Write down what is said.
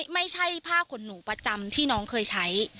ไม่ใช่ผ้าขนหนูประจำที่น้องเคยใช้